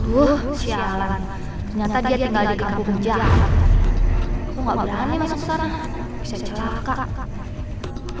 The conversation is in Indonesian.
wuh sialan nyata dia tinggal di kampung jauh jauh